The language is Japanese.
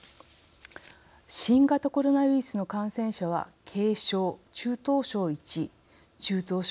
新型コロナウイルスの感染者は軽症、中等症１、中等症